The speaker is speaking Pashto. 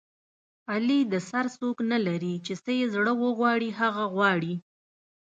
علي د سر څوک نه لري چې څه یې زړه و غواړي هغه غواړي.